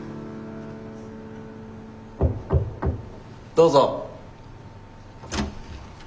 ・どうぞ。